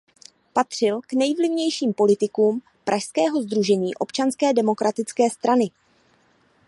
Patřil k nejvlivnějším politikům pražského sdružení Občanské demokratické strany.